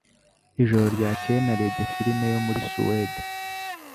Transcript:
Ijoro ryakeye narebye firime yo muri Suwede.